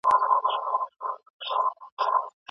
ماهرانو يادونه وکړه چی په اداره کي بايد بدلونونه راسي.